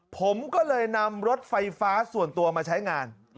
ผมก็เลยนำรถไฟฟ้าส่วนตัวมาใช้งาน